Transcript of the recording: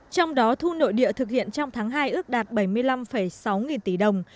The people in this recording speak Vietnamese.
trong đó thu nội địa thực hiện trong tháng hai ước đạt bảy mươi năm sáu nghìn tỷ đồng